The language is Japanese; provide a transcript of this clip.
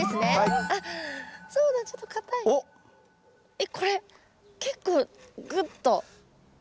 えっこれ結構グッと。